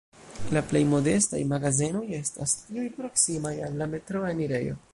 La plej modestaj magazenoj estas tiuj proksimaj al la metroa enirejo.